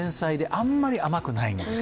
あんまり甘くないんですよ。